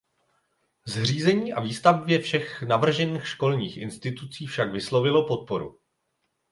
Zřízení a výstavbě všech navržených školních institucí však vyslovilo podporu.